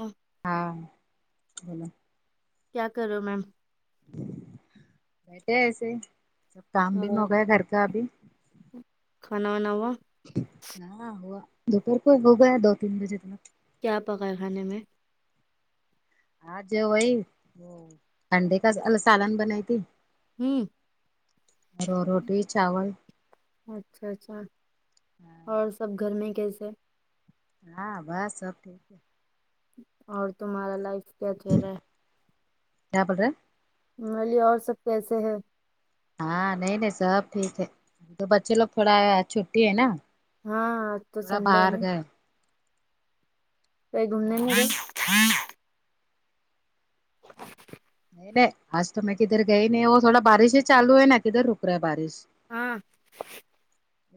آ ہاں کیا کرے ہو میم بیٹھے ایسے ہی سب کام بھی اور ہوگا گھر کا ابھی کھانا وانا ہوا ہاں ہوا دوپہر کو ہو گیا دو تین بجے تک کیا پکا ہے کھانے میں آج وہی انڈے کا از ال سالن بنائی تھی ہمم میں رو روٹی چاول اچھا اچھا اور سب گھر میں کیسے ہے ہاں بس سب ٹھیک ہے اور تمہارا لائف کیا چل رہا ہے کیا بولرا میں بولی اور سب کیسے ہے ہاں نہیں نہیں سب ٹھیک ہے تو بچے لوگ تھوڑا چھٹی ہے نا ہاں آ ج تو تھوڑا سنڈے ہے باہر نا گئے کہی گومنے ہاں نہیں گیی نہیں نہیں آج تو میں کدھر گئی نہیں وہ تھوڑا بارش ہی چالو ہے نا کدھر رک رہا ہے بارش ہاں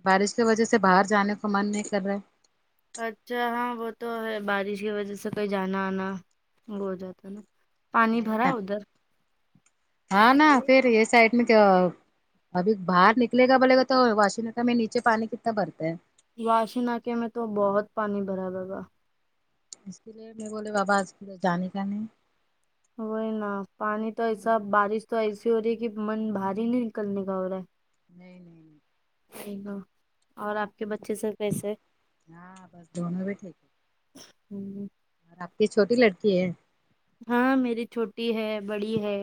بارش کی وجہ سے باہر جانے کو من نہیں کر رہا ہے اچھا ہاں وہ تو ہے بارش کی وجہ سے کہیں جانا آنا وہ ہو جاتا ہے پانی نہیں ن بھرا ہے ادھر ہاں نا پھر یہ سائڈ میں جو ابھی باہر نکلے گا بولے گا تو واش نگ میں نیچے پانی کتنا بھرتا ہے واش نکے میں تو بہت پانی بھرا ہے با اس کے لیے میں بولے بابا آ اس کے لیے جانے کا نہیں وہی نا پانی تو ایسا بارش تو ایسی ہو رہی ہے کہ من بھاری نہیں نکلنے کا ہو رہا ہے نہیں نہیں اور آپ کے بچے سے کیسے ہاں بس دونوں بھی ٹھیک ہے ہوں اور آپ کی چھوٹی لڑکی ہے ہاں میری چھوٹی ہے بڑی ہے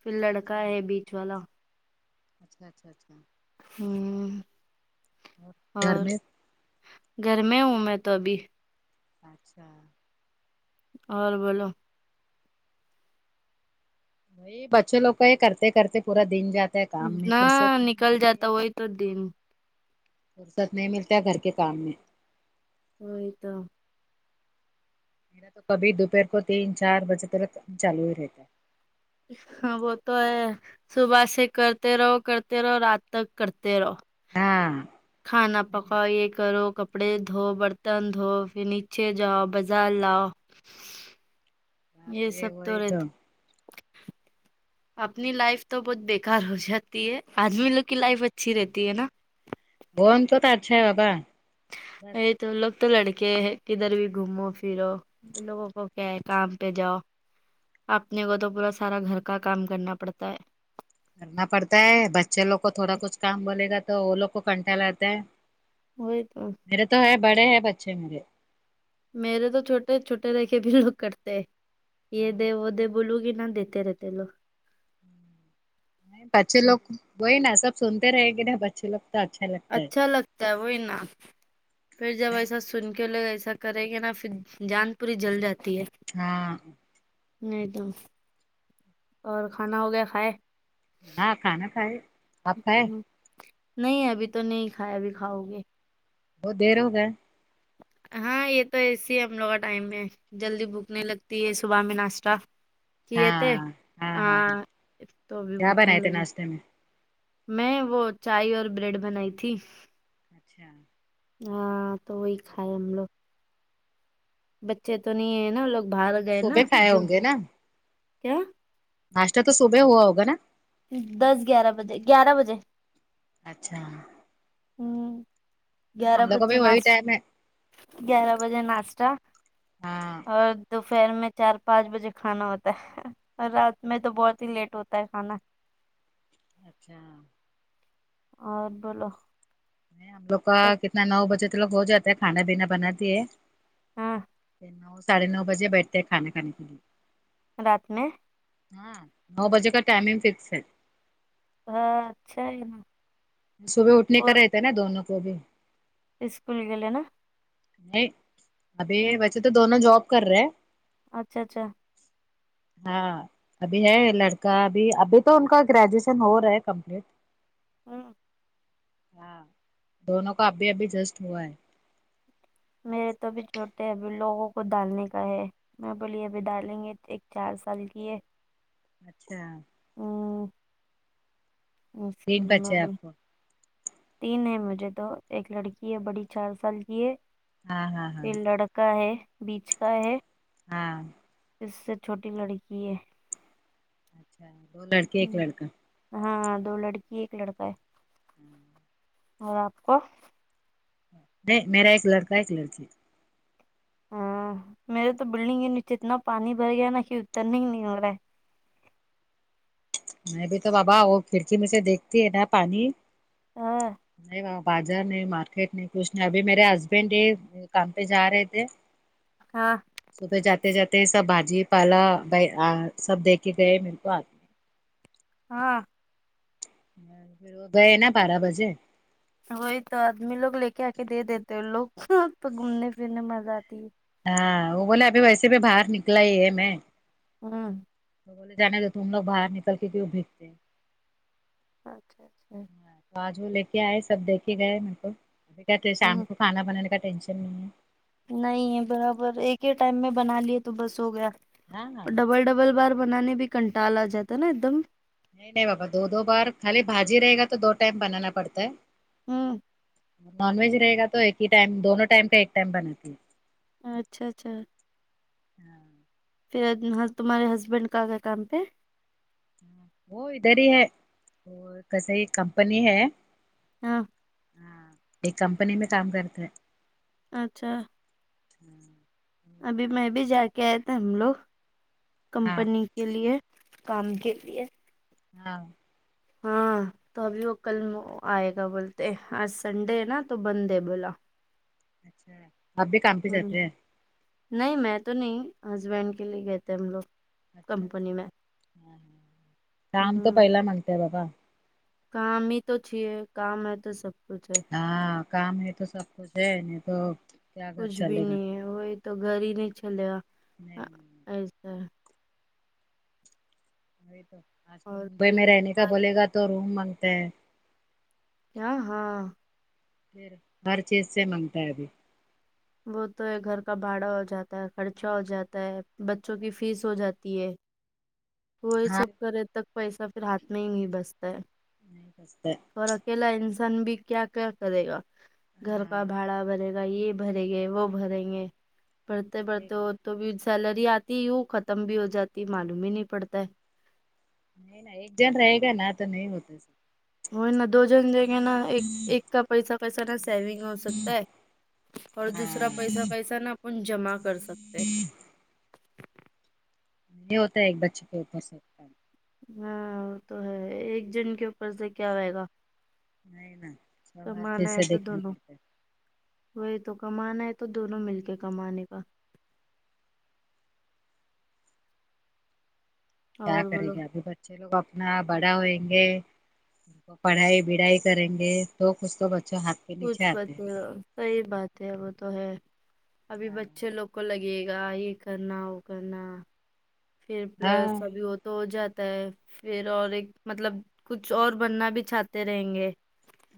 پھر لڑکا اچھا ہے بیچ والا اچھا اچھا اچھا ہ گھر اور میں گھر میں ہوں میں تو ابھی اچھا اور بولو یہ بچولوگ کا یہ کرتے کرتے پورا دن جاتا ہے کام میں نا فرصت نہیں نکل ملتی جاتا ہے وہی تو دن فرصت نہیں ملتا گھر کے کام میں وہی تو میرا تو کبھی دوپہر کو تین چار بجے تلک چالو ہی رہتا ہے ہاں وہ تو ہے صبح سے کرتے رہو کرتے رہو رات تک کرتے رہو ہاں کھانا پکاؤ یہ کرو کپ کپڑے دھو برتن دھو پھر نیچے جاؤ بازار لاؤ باپ یہ رے سب تو وہی رہے تھا اپنی لائف تو بہت بیکار ہو جاتی ہے آدمی لوگ کی لائف ا اچھی رہتی ہے نا بون تو تو اچھا ہے بابا ا بس تو لوگ تو لڑکے کدھر بھی گھومو پھرو ان لوگوں کو کیا ہے کام پہ جاؤ اپنے کو تو پورا سارا گھر کا کام کرنا پڑتا ہے کرنا پڑتا ہے بچے لوگ کو تھوڑا کچھ کام بولے گا تو وہ لوگ کو کنٹال اتا ہے وہی تو میرے تو ہے بڑے ہے بچے میرے میرے تو چھوٹے چھوٹے رہ کے بھی لوگ کرتے یہ دے وہ دے بولو گی نہ دیتے رہتے لوگ بچے لوگ وہی نا سب سنتے رہے گے نا بچے لوگ تو اچھا لگتا ہے اچھا لگتا ہے وہی نام پھر جب ایسا سن کہ لوگ ایسا کریں گے نا پھر جان پوری جل جاتی ہے ہاں نہیں تو اور کھانا ہو گیا کھائے ہاں کھانا کھائے آپ کھائے نہیں ابھی تو نہیں کھایا بھی کھاؤ گے بہت دیر ہوگیا ہاں یہ تو ایسی ہم لوگ کا ٹائم میں جلدی بھوک نی لگتی ہے صبح میں ناشتہ کیے تھے ہاں تو ابھی کیا بھوک نی بنائے تھے لگی ناشتے میں میں وہ چائے اور بریڈ بنائی تھی اچھا ہاں تو وہی کھائے ہم لوگ بچے تو نہیں ہے نا لوگ باہر گئے نا صبح کھائے جو ہوں گے نا کیا ناشتہ تو صبح ہوا ہوگا نا دس گیارہ بجے گیارہ بجے اچھا ہوں ہم گیارہ لوگ کو بجے بھی وہی ناش ٹائم ہے گیارہ بجے ناشتہ ہاں اور تو فرینڈ میں چار پانچ بجے کھانا ہوتا ہے رات میں تو بہت ہی لیٹ ہوتا ہے کھانا اچھا اور بولو ہم لوگ کا تب کتنا نو بجے تو لوگ ہو جاتے ہے کھانا دینا بناتی ہے ہاں ساڑھے نو بجے بیٹھتے ہیں کھانا کھانے کے لیے رات میں ہاں نو بجے کا ٹائمنگ فکس ہے ہاں اچھا ہے صبح اٹھنے کا وہ رہتے ہیں نا دونوں کو بھی اسکول کے لینا نہیں ابھی ویسے تو دونوں جاب کر رہے اچھا اچھا ہاں ابھی ہے لڑکا ابھی ابھی تو ان کا گریجویشن ہو رہا ہے کمپلیٹ ہاں ہاں دونوں کا ابھی ابھی جسٹ ہوا ہے میرے تو بھی چھوٹے ہیں ابھی لوگوں کو ڈالنے کا ہے میں بولی ابھی ڈالیں گے ایک چار سال کی ہے اچھا ہم تین مشکل میں بچے بول آپ کو تین ہے مجھے تو ایک لڑکی ہے بڑی چار سال کی ہے ہاں ہاں ہاں پھر لڑکا ہے بیچ کا ہے ہاں جس سے چھوٹی لڑکی ہے اچھا دو لڑکے ایک ہوں، لڑکا ہاں دو لڑکی ایک لڑکا ہے ہوں اور آپا نہیں میرا ایک لڑکا ایک لڑکی ہاں میرے تو بلڈنگ کے نیچے اتنا پانی بھر گیا نا کہ اترنا نہیں آرہا ہے میں بھی تو بابا وہ کھڑکی میں سے دیکھتی ہے نا پانی ہاں نہیں بازار نہیں مارکیٹ نہیں کچھ نہیں ابھی میرے ہسبینڈ یہ کام پہ جا رہے تھے ہاں صبح جاتے جاتے سب بھاجی پالا سب دیک کے گئے میرے کو ہاں پھر وہ گئے نا بارہ بجے وہی تو آدمی لوگ لے کے آ کے دے دیتے ہیں لوگ پہ گھومنے پھرنے مزہ آتی ہے ہاں وہ بولے ابھی ویسے بھی باہر نکلا ہی ہے میں ہاں تو بولے جانے تھ تم لوگ باہر نکل کے کیوں بھیگتے ہیں اچھا اچھا آج وہ لے کے آئے سب دیکھے گئے میر کو بیٹھے شام ہاں کو کانا بنانے کا ٹینشن نہیں ہے نہیں ہے برابر ایک ہی ٹائم میں بنا لیے تو بس ہو گیا ہاں ہاں اور ڈبل ڈبل بار بنانے بھی کنٹال آجاتا ہے نا ایک دم نہیں نہیں بابا دو دو بار خالی بھاجی رہے گا تو دو ٹائم بنانا پڑتا ہے ہوں نان ویج رہے گا تو ایک ہی ٹائم دونوں ٹائم کا ایک ٹائم بناتی ہے اچھا اچھا ہاں پھر تمہارے ہسبینڈ کا گ کام پہ ہ وہ ادھر ہی ہے اور کیسے ہی کمپنی ہے ہاں ہاں ایک کمپنی میں کام کرتا ہے اچھا ابھی میں بھی جا کے آیا تھا ہم لوگ ہاں کمپنی کے لیے کام کے لیے ہاں ہاں تو ابھی وہ کل آئے گا بولتے آج سنڈے ہے نا تو بند ہے بولا اچھا آپ بھی کام پہ ہوں جاتے ہیں نہیں میں تو نہیں ہسبینڈ کے لیے گئے تھے ہم لوگ اچھا اچھا کمپنی میں کام تو ہوں پہلا مگتا ہے بابا کام ہی تو چے کام ہے تو سب کچھ ہے ہاں کام ہے تو سب کچھ ہے نہیں تو کیا گھر کچھ بھی چلے گا نہیں ہے وہی تو گھر ہی نہیں چل نہیں نہیں ایسا ہے نہیںی تو آج تو اور ممبئی میں پھر رہنے کا بات بولے گا تو روم مانگتے ہیں آ ہاں پھر ہر چیز سے مانگتا ہے ابھی وہ تو ہے گھر کا بھاڑا ہو جاتا ہے خرچہ ہو جاتا ہے بچوں کی فیس ہو جاتی ہے وہی ہاں سب کرے تک پیسہ پھر ہاتھ میں ہی نہیں بچتا ہے نہیں سس اور اکیلا انسان بھی کیا کیا کرے گا گھر کا ہاں بھاڑا بنے یہ بھریں گے وہ بھریں گے بڑھتے ایک بڑھتے وہ تو سیلری آتی وہ ختم بھی ہو جاتی معلوم ہی نہیں پڑتا ہے نہیں ن ایک جن رہے گا نا تو نہیں ہوتا وہ نا دو جن جیں گے نا ایک ایک کا پیسہ پیسہ نہا سیونگ ہو سکتا ہے اور ہاں دوسرا پیس پیس نا اپن جمع کر سکتے ہیں ہوتا ہے ایک بچے کے اوپر ہاں وہ تو ہے ایک جن کے اوپر سے کیا ہوئے گا نہیں نا ک سب ہر مانا چیز ہے سے تو دیکھنا دونوں پڑتا ہے وہی تو کمانا ہے تو دونوں مل کے کمانے کا کیا اور کریں بولو گے ابھی بچے لوگ اپنا بڑا ہوئیں گے پڑھائی بڑھائی کریں گے تو کچھ تو بچوں ہاتھ کے نیچے کچھ بت آتے ہیں صحیح بات ہے وہ تو ہے ابھی بچے لوگ کو لگے گا یہ کرنا وہ کرنا پھر ہاں پلس ابھی ہوتا تو ہو جاتا ہے پھر اور ایک مطلب کچھ اور بننا بھی چاہتے رہیں گے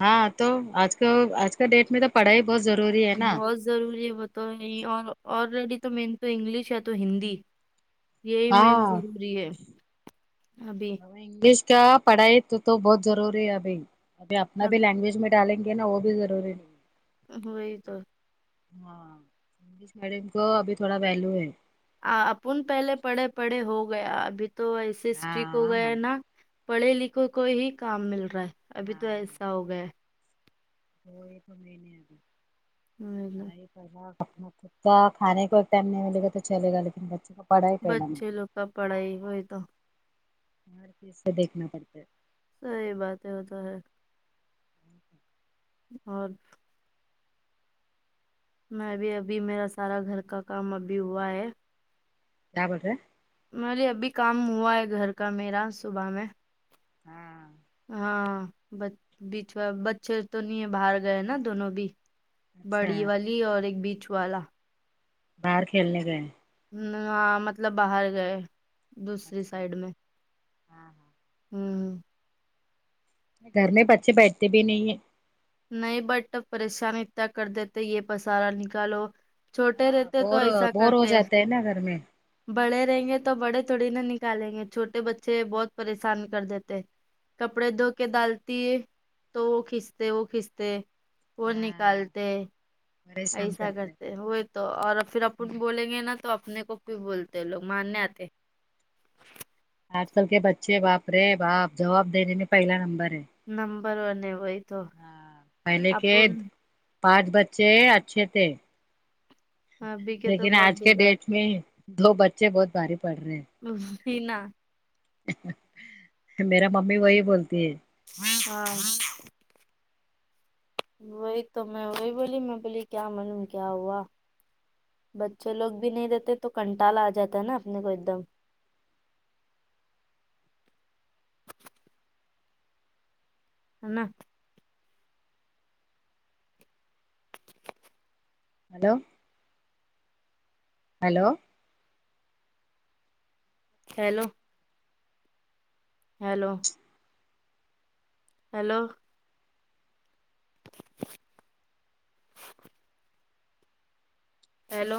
ہاں تو آج کا آج کا ڈیٹ میں تو پڑھائی بہت ضروری ہے نا بہت ضروری ہے وہ تو یہ اور آلریڈی تو مین تو انگلش ہے تو ہندی یہی مین ہاں ضروری ہے ابھی انگلش کا پڑھائی تو بہت ضروری ہے ابھی ابھی اپنا بھی لینگویج میں ڈالیں گے نا وہ بھی ضروری وہی تو ہاں انگلش میڈیم کو ابھی تھوڑا ویلو ہے آ اپن پہلے پڑھے پڑھے ہو گیا ابھی تو ایسے اسٹیک ہو ہاں گیا ہے نا پڑھے لکھے کو ہی کام مل رہا ہے ابھی تو ہاں ایسا ہو گیا ہے وہ ایک دو مہینے آبھی ھمم پہ اپنا کتا کھانے کوئی ٹائم نہیں ملے گا تو چلے گا لیکن بچے کا بچے لوگ کا پڑھائی ہوئے تو ہر چیز سے دیکھنا پڑتا ہے صحیح بات ہے وہ تو ہے اور میں ابھی ابھی میرا سارا گھر کا کام ابھی ہوا ہے کیا بولے مے ابھی بولی کام ہوا ہے گھر کا میرا صبح میں ہاں ہاں بیچ بچے تو نہیں ہے باہر گئے ہے نا دونوں بھی اچھا بڑی والی اور ایک بیچ والا باہر کھیلنے گئے ہاں مطلب باہر گئے دوسری اچھا سائڈ میں ہاں ہاں ھممم گھر میں بچے بیٹھتے بھی نہیں ہیں نہیں بٹ پریشان اتنا کر دیتے یہ پسارا نکالو چھوٹے ہاں رہتے تو بور ایسا بور ہو کرتے جاتے ہیں نا گھر میں بڑے رہیں گے تو بڑے تھوڑی نہ نکالیں گے چھوٹے بچے بہت پریشان کر دیتے کپڑے دھو کے ڈالتی ہے تو وہ کھنچتے کتوہ کھنچتے وہ ہاں نکالتے پریشان ایسا ہیں کرتے ہوئی تو اور پھر اپن بولیں گے نا تو اپنے کوکیو بولتے لوگ مارنے آتے آج کل کے بچے باپ رے باپ جواب دینے میں پہلا نمبر ہے نمبر ون ہے وہی تو ہاں پہلے آپن کے پانچ بچے اچھے تھے بکے تو لیکن بہت آج کے بےکار ڈیٹ میں دو بچے بہت بھاری پڑھ رہے ہیں و ہی نہ میرا ممی وہی بولتی ہے ہاں وہی تو میں وہی بولی میں بولی کیا معلوم کیا ہوا بچے لوگ بھی نہیں دیتے تو کنٹال آ جاتا ہے نا اپنے کو ایک دم ہے نا hello hello hello hello hello hello